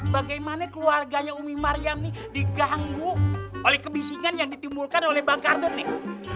bagaimana keluarganya umi maryam ini diganggu oleh kebisingan yang ditimbulkan oleh bang kartun nih